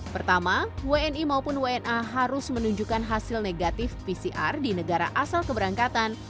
pertama wni maupun wna harus menunjukkan hasil negatif pcr di negara asal keberangkatan